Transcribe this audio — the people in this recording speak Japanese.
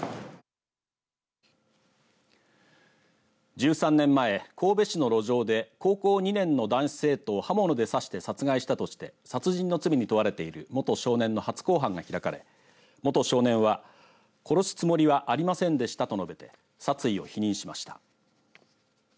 １３年前、神戸市の路上で高校２年の男子生徒を刃物で刺して殺害したとして殺人の罪に問われている元少年の初公判が開かれ元少年は殺すつもりはありませんでしたと述べて殺意を否認しました。